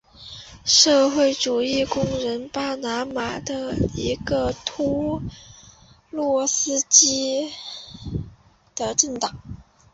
社会主义工人党是巴拿马的一个托洛茨基主义政党。